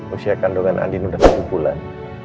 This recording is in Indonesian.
usia kandungan andin udah sepuluh bulan